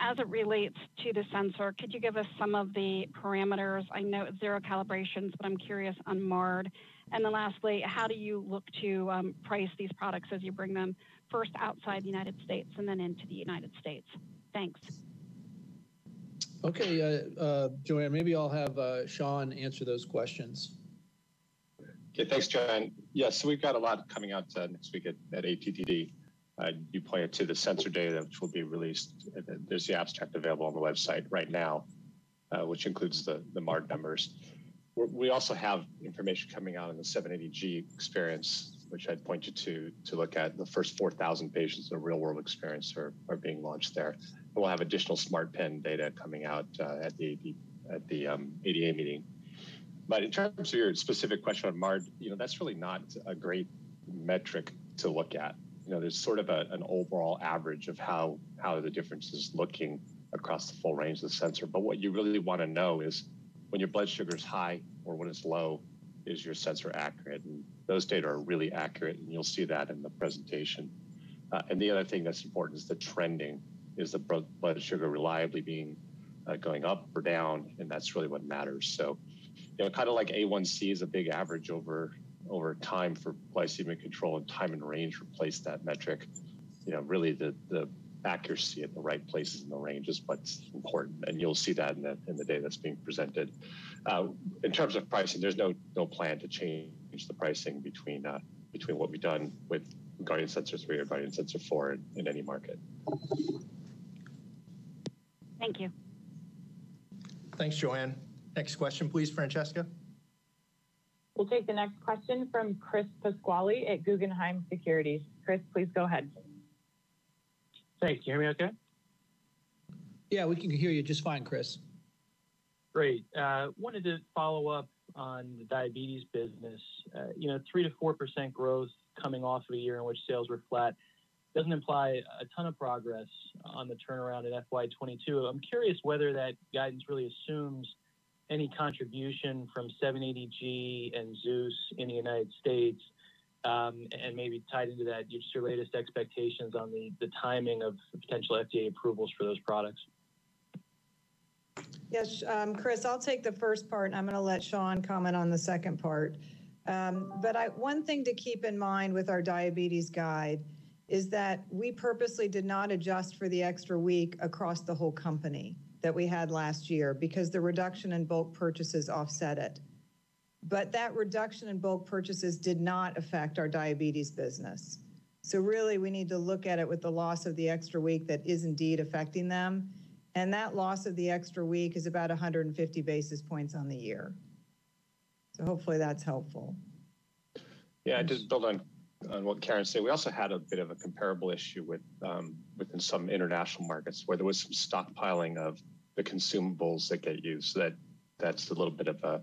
as it relates to the sensor? Could you give us some of the parameters? I know it's zero calibrations. I'm curious on MARD. Then lastly, how do you look to price these products as you bring them first outside the U.S. and then into the U.S.? Thanks. Okay, Joanne, maybe I'll have Sean answer those questions. Yeah, thanks, Joanne. Yes, we've got a lot coming out next week at ATTD. You pointed to the sensor data, which will be released. There's the abstract available on the website right now, which includes the MARD numbers. We also have information coming out on the 780G experience, which I'd point you to look at. The first 4,000 patients of real-world experience are being launched there. We'll have additional smart pen data coming out at the ADA meeting. In terms of your specific question on MARD, that's really not a great metric to look at. There's sort of an overall average of how the difference is looking across the full range of the sensor. What you really want to know is when your blood sugar's high or when it's low, is your sensor accurate? Those data are really accurate, and you'll see that in the presentation. The other thing that's important is the trending. Is the blood sugar reliably going up or down? That's really what matters. Kind of like A1C is a big average over time for glycemic control, and time in range replaced that metric. Really, the accuracy at the right places in the range is what's important, and you'll see that in the data that's being presented. In terms of pricing, there's no plan to change the pricing between what we've done with Guardian Sensor 3 or Guardian Sensor 4 in any market. Thank you. Thanks, Joanne. Next question please, Francesca. We'll take the next question from Chris Pasquale at Guggenheim Securities. Chris, please go ahead. Sorry, can you hear me okay? Yeah, we can hear you just fine, Chris. Great. Wanted to follow up on the diabetes business. 3%-4% growth coming off of a year in which sales were flat doesn't imply a ton of progress on the turnaround in FY 2022. I'm curious whether that guidance really assumes any contribution from 780G and Zeus in the U.S., and maybe tied into that, give us your latest expectations on the timing of potential FDA approvals for those products. Yes, Chris, I'll take the first part, and I'm going to let Sean comment on the second part. One thing to keep in mind with our diabetes guide is that we purposely did not adjust for the extra week across the whole company that we had last year because the reduction in bulk purchases offset it. That reduction in bulk purchases did not affect our diabetes business. Really, we need to look at it with the loss of the extra week that is indeed affecting them, and that loss of the extra week is about 150 basis points on the year. Hopefully that's helpful. Yeah, just to build on what Karen said, we also had a bit of a comparable issue within some international markets where there was some stockpiling of the consumables that get used. That's a little bit of a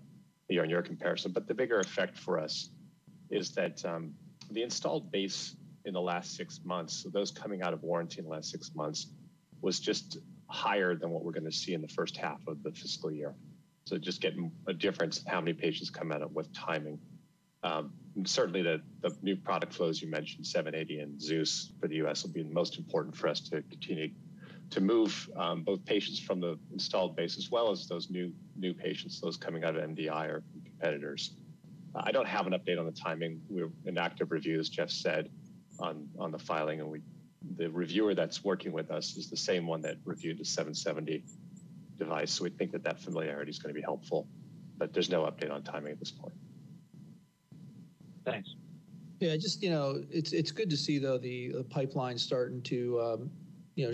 year-on-year comparison. The bigger effect for us is that the installed base in the last six months, so those coming out of warranty in the last six months, was just higher than what we're going to see in the first half of the fiscal year. Just getting a difference in how many patients come in and with timing. Certainly, the new product flows you mentioned, 780 and Zeus for the U.S., will be most important for us to continue to move both patients from the installed base as well as those new patients, those coming out of MDI or competitors. I don't have an update on the timing. We're in active review, as Geoff said, on the filing, and the reviewer that's working with us is the same one that reviewed the 770 device, so we think that that familiarity is going to be helpful. There's no update on timing at this point. Thanks. Yeah, it's good to see, though, the pipeline starting to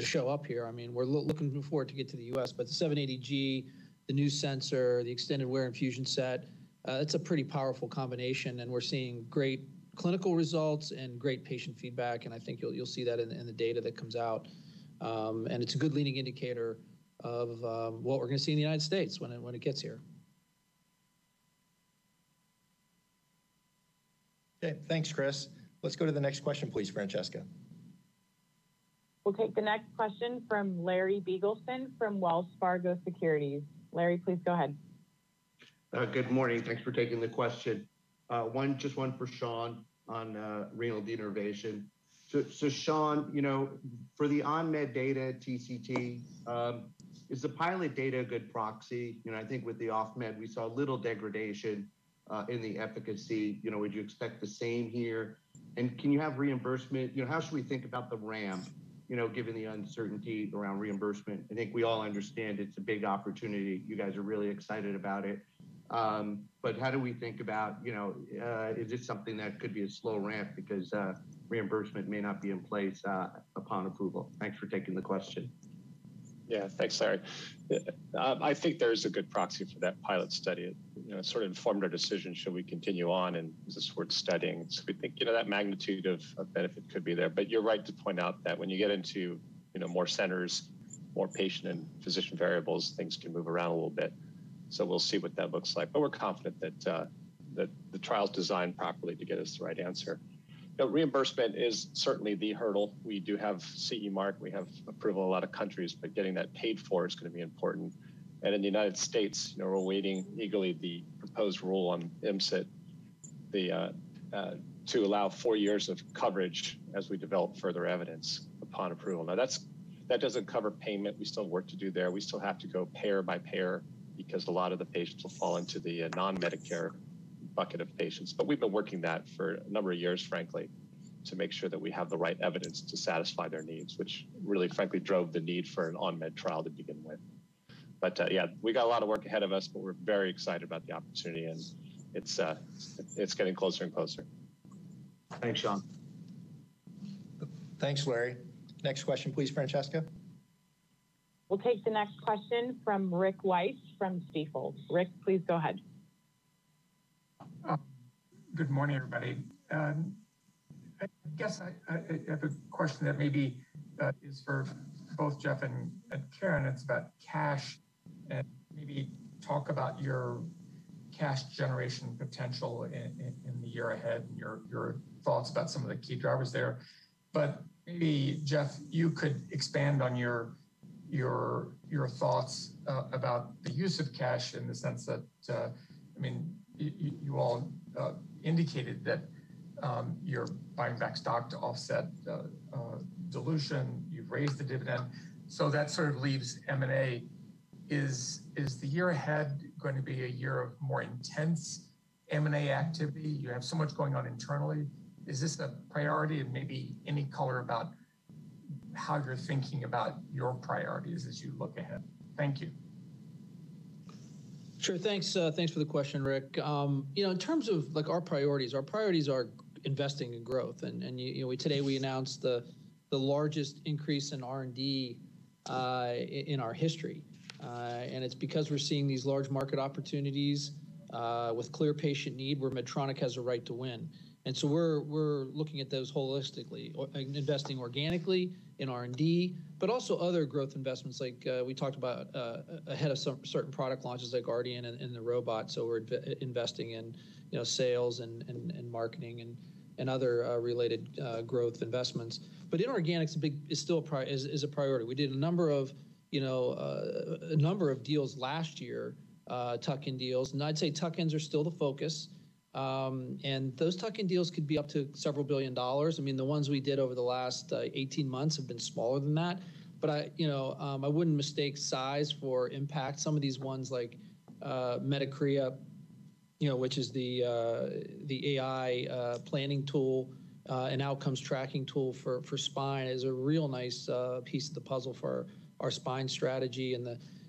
show up here. We're looking forward to get to the U.S., but 780G, the new sensor, the extended wear infusion set, that's a pretty powerful combination, and we're seeing great clinical results and great patient feedback, and I think you'll see that in the data that comes out. It's a good leading indicator of what we're going to see in the United States when it gets here. Okay. Thanks, Chris. Let's go to the next question, please, Francesca. We'll take the next question from Larry Biegelsen from Wells Fargo Securities. Larry, please go ahead. Good morning. Thanks for taking the question. Just one for Sean on renal denervation. Sean, for the on-med data TCT, is the pilot data a good proxy? I think with the off-med, we saw a little degradation in the efficacy. Would you expect the same here? Can you have reimbursement? How should we think about the ramp given the uncertainty around reimbursement? I think we all understand it's a big opportunity. You guys are really excited about it. How do we think about, is this something that could be a slow ramp because reimbursement may not be in place upon approval? Thanks for taking the question. Yeah, thanks, Larry. I think there's a good proxy for that pilot study. Sort of informed our decision, should we continue on, and is this worth studying? We think that magnitude of benefit could be there. You're right to point out that when you get into more centers, more patient and physician variables, things can move around a little bit. We'll see what that looks like. We're confident that the trial's designed properly to get us the right answer. Reimbursement is certainly the hurdle. We do have CE mark. We have approval in a lot of countries, but getting that paid for is going to be important. In the U.S., we're awaiting legally the proposed rule on MCIT to allow four years of coverage as we develop further evidence upon approval. Now, that doesn't cover payment. We still have work to do there. We still have to go payer by payer because a lot of the patients will fall into the non-Medicare bucket of patients. We've been working that for a number of years, frankly, to make sure that we have the right evidence to satisfy their needs, which really, frankly, drove the need for an on-med trial to begin with. Yeah, we got a lot of work ahead of us, but we're very excited about the opportunity, and it's getting closer and closer. Thanks, Sean. Thanks, Larry. Next question, please, Francesca. We'll take the next question from Rick Wise from Stifel. Rick, please go ahead. Good morning, everybody. I guess I have a question that maybe is for both Geoff and Karen. It's about cash and maybe talk about your cash generation potential in the year ahead and your thoughts about some of the key drivers there. Maybe, Geoff, you could expand on your thoughts about the use of cash in the sense that, you all indicated that you're buying back stock to offset dilution. You've raised the dividend. That sort of leaves M&A. Is the year ahead going to be a year of more intense M&A activity? You have so much going on internally. Is this a priority? Maybe any color about how you're thinking about your priorities as you look ahead. Thank you. Sure. Thanks for the question, Rick. In terms of our priorities, our priorities are investing in growth. Today we announced the largest increase in R&D in our history. It's because we're seeing these large market opportunities with clear patient need where Medtronic has a right to win. We're looking at those holistically, investing organically in R&D, but also other growth investments like we talked about ahead of certain product launches like Guardian and the robot. We're investing in sales and marketing and other related growth investments. Inorganics is a priority. We did a number of deals last year, tuck-in deals, and I'd say tuck-ins are still the focus. Those tuck-in deals could be up to $several billion. The ones we did over the last 18 months have been smaller than that. I wouldn't mistake size for impact. Some of these ones like Medicrea, which is the AI planning tool and outcomes tracking tool for spine, is a real nice piece of the puzzle for our spine strategy.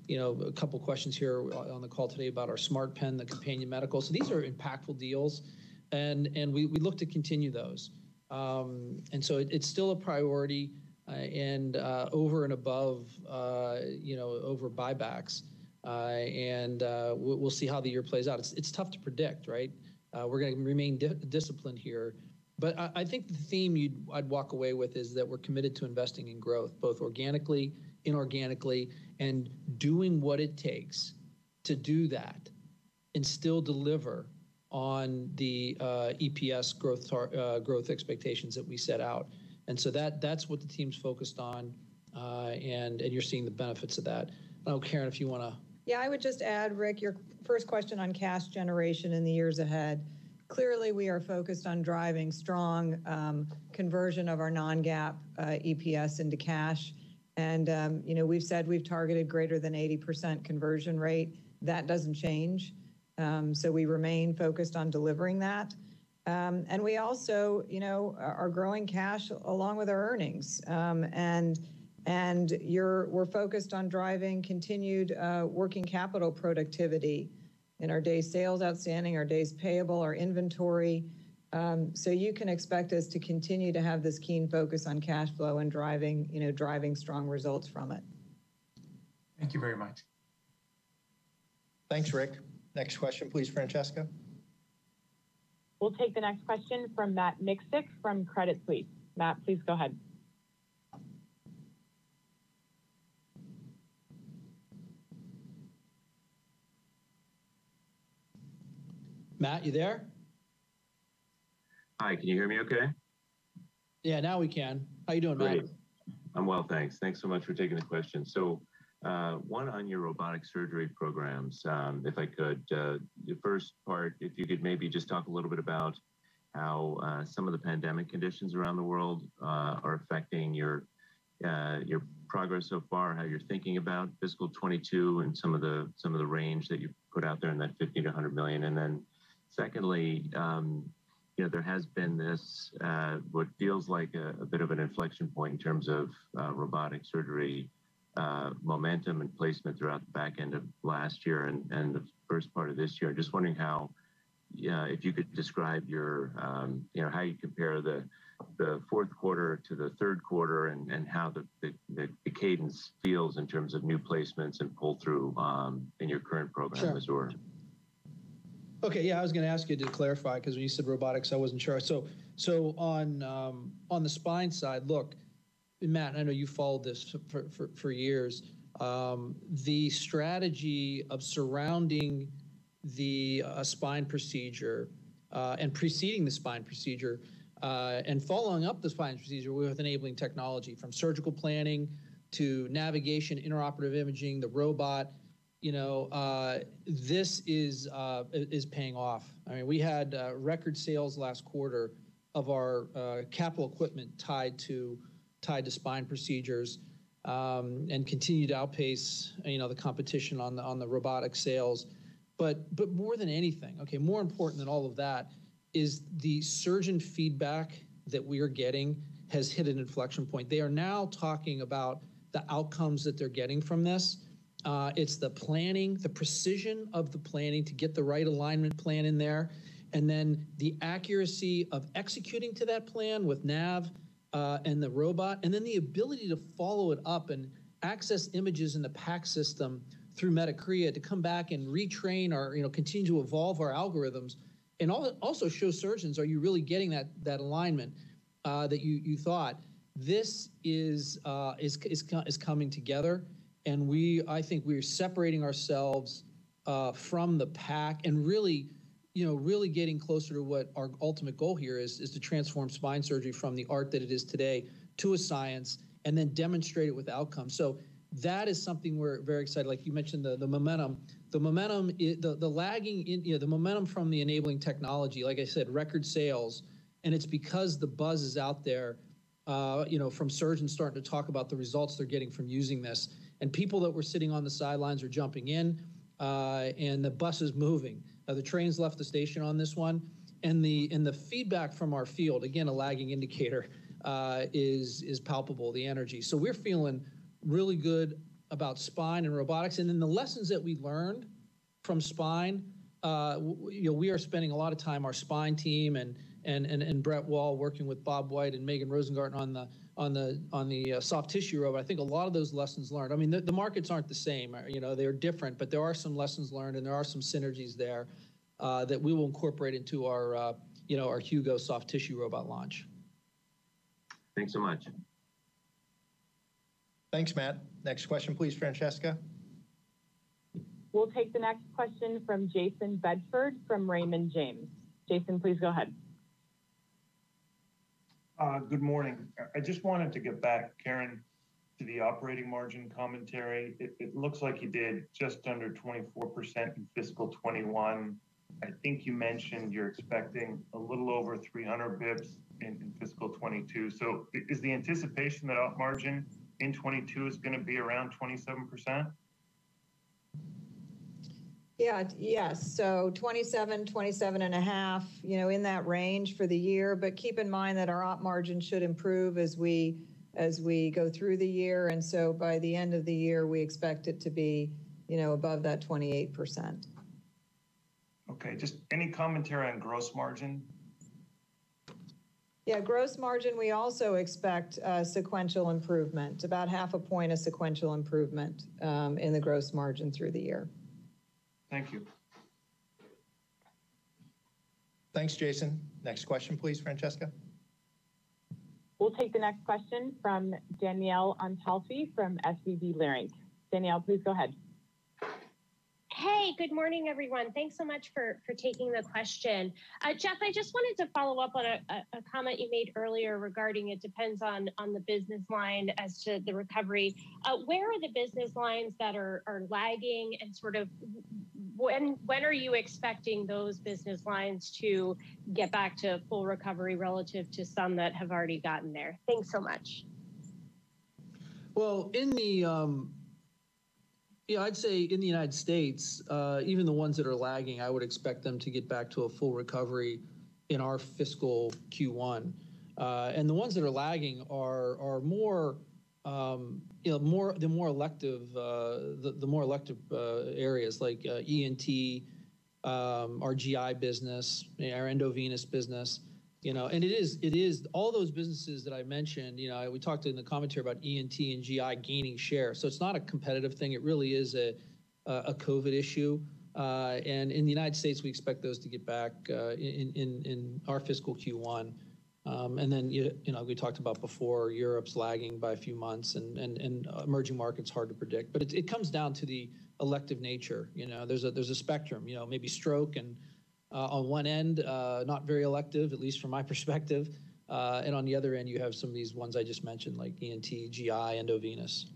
A couple of questions here on the call today about our smart pen, the Companion Medical. These are impactful deals, and we look to continue those. It's still a priority and over and above, over buybacks. We'll see how the year plays out. It's tough to predict, right? We're going to remain disciplined here. I think the theme I'd walk away with is that we're committed to investing in growth, both organically, inorganically, and doing what it takes to do that and still deliver on the EPS growth expectations that we set out. That's what the team's focused on, and you're seeing the benefits of that. Karen, if you want to- Yeah, I would just add, Rick, your first question on cash generation in the years ahead. Clearly, we are focused on driving strong conversion of our non-GAAP EPS into cash. We said we targeted greater than 80% conversion rate. That doesn't change. We remain focused on delivering that. We also are growing cash along with our earnings. We are focused on driving continued working capital productivity in our day sales outstanding, our days payable, our inventory. You can expect us to continue to have this keen focus on cash flow and driving strong results from it. Thank you very much. Thanks, Rick. Next question, please, Francesca. We'll take the next question from Matt Miksic from Credit Suisse. Matt, please go ahead. Matt, you there? Hi, can you hear me okay? Yeah, now we can. How you doing, Matt? Great. I'm well, thanks. Thanks so much for taking the question. One on your robotic surgery programs, if I could. The first part, if you could maybe just talk a little bit about how some of the pandemic conditions around the world are affecting your progress so far and how you're thinking about FY22 and some of the range that you've put out there in that $50 million-$100 million. Secondly, there has been this, what feels like a bit of an inflection point in terms of robotic surgery momentum and placement throughout the back end of last year and the first part of this year. I'm just wondering how, yeah, if you could describe how you compare the fourth quarter to the third quarter and how the cadence feels in terms of new placements and pull-through in your current programs. Sure. Okay. Yeah, I was going to ask you to clarify because when you said robotics, I wasn't sure. On the spine side, look, Matt, I know you followed this for years. The strategy of surrounding the spine procedure and preceding the spine procedure, and following up the spine procedure with enabling technology from surgical planning to navigation, intraoperative imaging, the robot, this is paying off. We had record sales last quarter of our capital equipment tied to spine procedures, and continued to outpace the competition on the robotic sales. More than anything, okay, more important than all of that is the surgeon feedback that we are getting has hit an inflection point. They are now talking about the outcomes that they're getting from this. It's the planning, the precision of the planning to get the right alignment plan in there, and then the accuracy of executing to that plan with nav, and the robot, and then the ability to follow it up and access images in the PACS system through Medicrea to come back and retrain or continue to evolve our algorithms. Also show surgeons, are you really getting that alignment that you thought. This is coming together, and I think we are separating ourselves from the pack and really getting closer to what our ultimate goal here is to transform spine surgery from the art that it is today to a science and then demonstrate it with outcomes. That is something we're very excited about. Like you mentioned, the momentum. The momentum from the enabling technology, like I said, record sales, and it's because the buzz is out there from surgeons starting to talk about the results they're getting from using this. People that were sitting on the sidelines are jumping in, and the bus is moving. The train's left the station on this one. The feedback from our field, again, a lagging indicator, is palpable, the energy. We're feeling really good about spine and robotics. The lessons that we learned from spine, we are spending a lot of time, our spine team and Brett Wall working with Bob White and Megan Rosengarten on the soft tissue robot. I think a lot of those lessons learned. The markets aren't the same. They're different, but there are some lessons learned, and there are some synergies there that we will incorporate into our Hugo soft tissue robot launch. Thanks so much. Thanks, Matt. Next question, please, Francesca. We'll take the next question from Jayson Bedford from Raymond James. Jayson, please go ahead. Good morning. I just wanted to get back, Karen, to the operating margin commentary. It looks like you did just under 24% in FY21. I think you mentioned you're expecting a little over 300 basis points in FY22. Is the anticipation that op margin in FY22 is going to be around 27%? Yeah. 27.5, in that range for the year. Keep in mind that our op margin should improve as we go through the year, and so by the end of the year, we expect it to be above that 28%. Okay. Just any commentary on gross margin? Yeah. Gross margin, we also expect a sequential improvement, about half a point of sequential improvement in the gross margin through the year. Thank you. Thanks, Jayson. Next question, please, Francesca. We'll take the next question from Danielle Antalffy from SVB Leerink. Danielle, please go ahead. Hey, good morning, everyone. Thanks so much for taking the question. Geoff, I just wanted to follow up on a comment you made earlier regarding it depends on the business line as to the recovery. Where are the business lines that are lagging and when are you expecting those business lines to get back to full recovery relative to some that have already gotten there? Thanks so much. I'd say in the United States, even the ones that are lagging, I would expect them to get back to a full recovery in our fiscal Q1. The ones that are lagging are the more elective areas like ENT, our GI business, our Endovenous business. All those businesses that I mentioned, we talked in the commentary about ENT and GI gaining share. It's not a competitive thing. It really is a COVID issue. In the United States, we expect those to get back in our fiscal Q1. We talked about before, Europe's lagging by a few months and emerging market's hard to predict. It comes down to the elective nature. There's a spectrum. Maybe stroke on one end, not very elective, at least from my perspective. On the other end, you have some of these ones I just mentioned, like ENT, GI, Endovenous.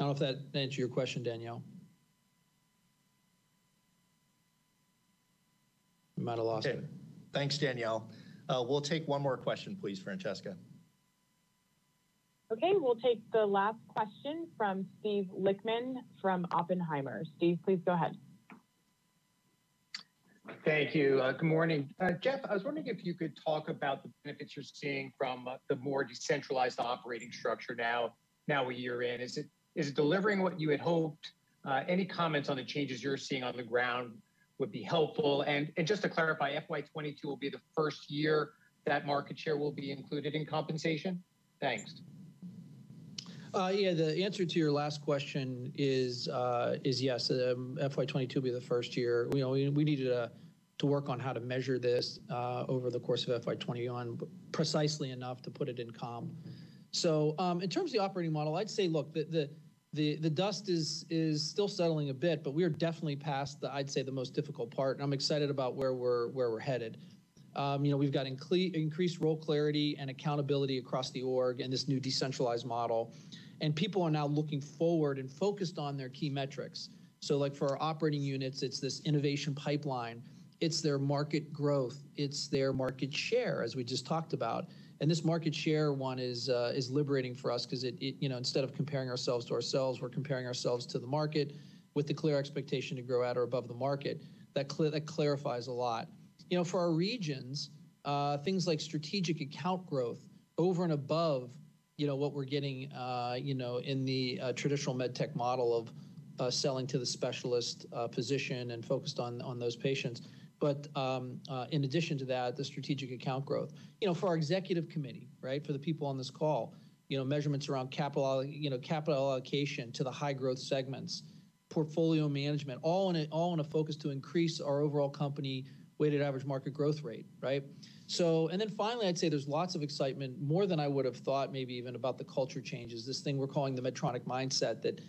I hope that answered your question, Danielle. I'm at a loss here. Thanks, Danielle. We'll take one more question, please, Francesca. We'll take the last question from Steven Lichtman from Oppenheimer. Steve, please go ahead. Thank you. Good morning. Geoff, I was wondering if you could talk about the benefits you're seeing from the more decentralized operating structure now a year in. Is it delivering what you had hoped? Any comments on the changes you're seeing on the ground would be helpful. Just to clarify, FY22 will be the first year that market share will be included in compensation? Thanks. Yeah. The answer to your last question is yes. FY 2022 will be the first year. We need to work on how to measure this over the course of FY 2021 precisely enough to put it in comp. In terms of the operating model, I'd say, look, the dust is still settling a bit, but we are definitely past, I'd say, the most difficult part, and I'm excited about where we're headed. We've got increased role clarity and accountability across the org in this new decentralized model. People are now looking forward and focused on their key metrics. For our operating units, it's this innovation pipeline. It's their market growth, it's their market share, as we just talked about. This market share one is liberating for us because instead of comparing ourselves to ourselves, we're comparing ourselves to the market with the clear expectation to grow at or above the market. That clarifies a lot. For our regions, things like strategic account growth over and above what we're getting in the traditional MedTech model of selling to the specialist physician and focused on those patients. In addition to that, the strategic account growth. For our executive committee, for the people on this call, measurements around capital allocation to the high growth segments, portfolio management, all in a focus to increase our overall company weighted average market growth rate. Right? Finally, I'd say there's lots of excitement, more than I would've thought maybe even about the culture changes. This thing we're calling the Medtronic Mindset that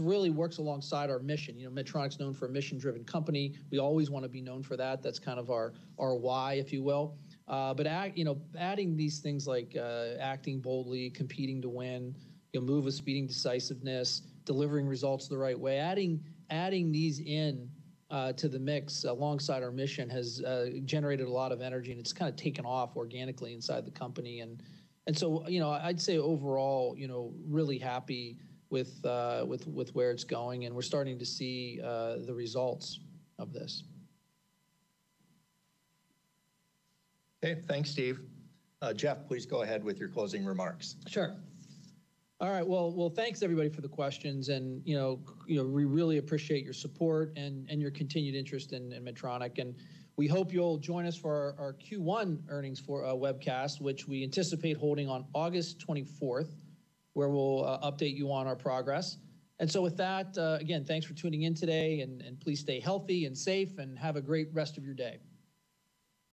really works alongside our mission. Medtronic's known for a mission-driven company. We always want to be known for that. That's kind of our why, if you will. Adding these things like acting boldly, competing to win, move with speed and decisiveness, delivering results the right way, adding these into the mix alongside our mission has generated a lot of energy, and it's kind of taken off organically inside the company. Overall, really happy with where it's going, and we're starting to see the results of this. Okay. Thanks, Steve. Geoff, please go ahead with your closing remarks. Sure. All right. Thanks everybody for the questions, and we really appreciate your support and your continued interest in Medtronic. We hope you'll join us for our Q1 earnings for our webcast, which we anticipate holding on August 24th, where we'll update you on our progress. With that, again, thanks for tuning in today, and please stay healthy and safe and have a great rest of your day.